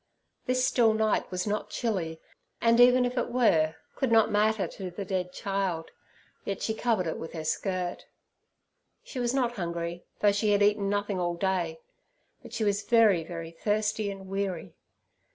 This still night was not chilly, and, even if it were, could not matter to the dead child, yet she covered it with her skirt. She was not hungry, though she had eaten nothing all day; but she was very, very thirsty and weary.